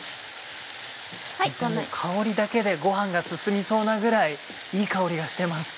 香りだけでご飯が進みそうなぐらいいい香りがしてます。